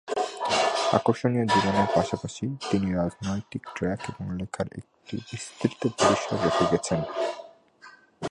আকর্ষণীয় জীবনের পাশাপাশি, তিনি রাজনৈতিক ট্র্যাক এবং লেখার একটি বিস্তৃত পরিসর রেখে গেছেন।